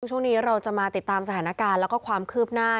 ช่วงนี้เราจะมาติดตามสถานการณ์แล้วก็ความคืบหน้า